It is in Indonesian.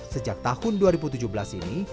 sejak tahun dua ribu tujuh belas ini